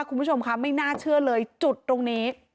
คุณผู้ชมค่ะไม่น่าเชื่อเลยจุดตรงนี้